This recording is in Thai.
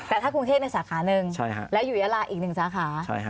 แต่ถ้ากรุงเทพเป็นสาขาหนึ่งแล้วอยู่ยาลาอีกหนึ่งสาขา